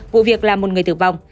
vụ việc là một người tử vong